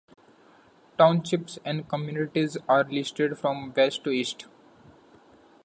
Townships and communities are listed from west to east.